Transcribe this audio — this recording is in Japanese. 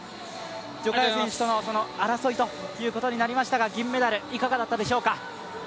徐嘉余選手との争いとなりましたが銀メダル、いかがだったでしょうか？